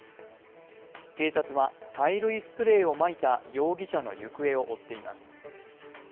警察は催涙スプレーをまいた容疑者の行方を追っています。